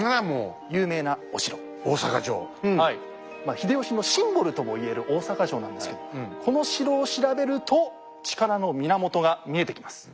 秀吉のシンボルとも言える大坂城なんですけどこの城を調べると力の源が見えてきます。